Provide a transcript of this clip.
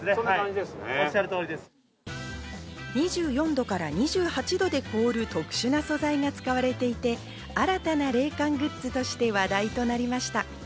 ２４度から２８度で凍る、特殊な素材が使われていて、新たな冷感グッズとして話題となりました。